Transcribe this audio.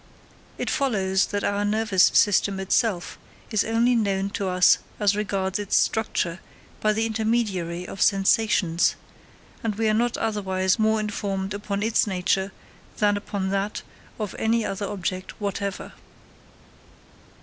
It follows that our nervous system itself is only known to us as regards its structure by the intermediary of sensations, and we are not otherwise more informed upon its nature than upon that of any other object whatever.